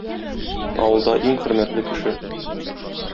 Авылда иң хөрмәтле кеше.